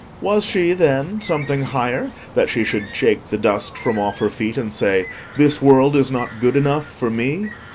Was she, then, something higher, that she should shake the dust from off her feet, and say, "This world is not good enough for me"?